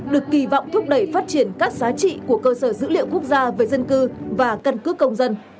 được kỳ vọng thúc đẩy phát triển các giá trị của cơ sở dữ liệu quốc gia về dân cư và căn cước công dân